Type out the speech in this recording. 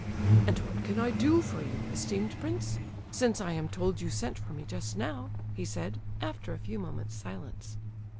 "And what can I do for you, esteemed prince? Since I am told you sent for me just now," he said, after a few moments' silence.